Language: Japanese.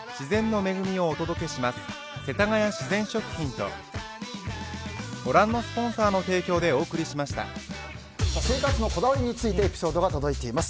トーンアップ出た生活のこだわりについてエピソードが届いています。